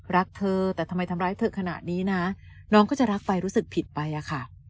รักเธอแต่ทำไมทำร้ายเธอขนาดนี้นะน้องก็จะรักไปรู้สึกผิดไปอะค่ะ